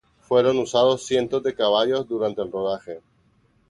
Fueron usados cientos de caballos durante el rodaje.